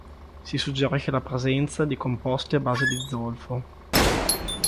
Si suggerisce la presenza di composti a base zolfo.